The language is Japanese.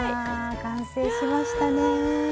完成しましたね。